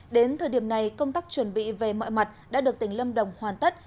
đến thời điểm này công tác chuẩn bị về mọi mặt đã được tỉnh lâm đồng hoàn tất